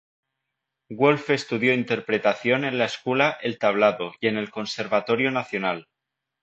Wolf estudió interpretación en la escuela El Tablado y en el Conservatorio Nacional.